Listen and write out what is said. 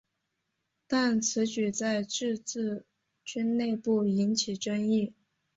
但此举在自治军内部引起争议。